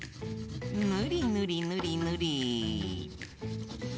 ぬりぬりぬりぬり。